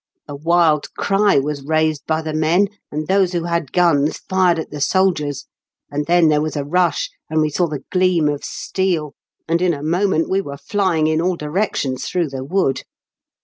A wild cry was raised by the men, and those who had TKE END OF TEE TRAGEDY. 151 guns fired at the soldiers ; and then there was a rush, and we saw the gleam of steel, and in a moment we were flying in all directions through the wood.